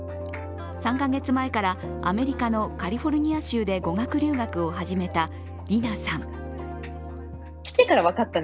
３カ月前からアメリカのカリフォルニア州で語学留学を始めたリナさん。